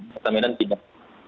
kota medan tidak